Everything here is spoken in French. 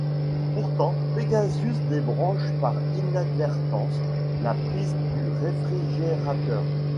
Pourtant, Pégasus débranche par inadvertance la prise du réfrigérateur.